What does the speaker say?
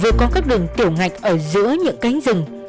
vừa có các đường tiểu ngạch ở giữa những cánh rừng